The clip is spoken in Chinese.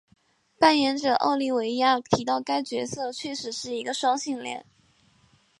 扮演者奥利维亚提到该角色确实是一个双性恋。